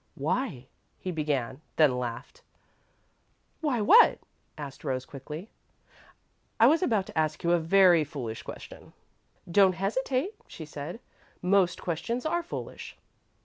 "Why?" he began, then laughed. "Why what?" asked Rose, quickly. "I was about to ask you a very foolish question." "Don't hesitate," she said. "Most questions are foolish."